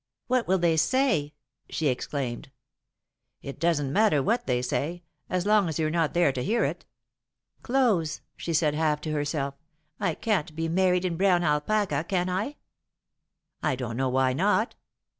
"What will they say!" she exclaimed. "It doesn't matter what they say, as long as you're not there to hear it." "Clothes," she said, half to herself. "I can't be married in brown alpaca, can I?" [Sidenote: The Difference] "I don't know why not.